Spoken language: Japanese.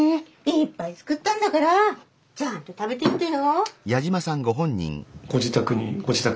いっぱい作ったんだからちゃんと食べていってよ。